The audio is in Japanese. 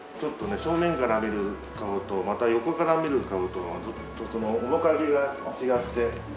正面から見る顔とまた横から見る顔との面影が違って。